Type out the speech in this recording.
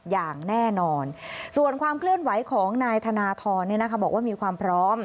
อย่างแน่นอนส่วนความเคลื่อนไหวของนายธนทรบอกว่ามีความพร้อม